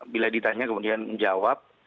bila ditanya kemudian menjawab